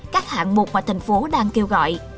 các hạng mục mà thành phố đang kêu gọi